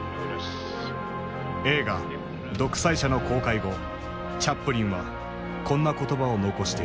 映画「独裁者」の公開後チャップリンはこんな言葉を残している。